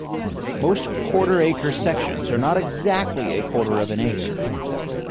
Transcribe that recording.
Most "quarter-acre" sections are not exactly a quarter of an acre.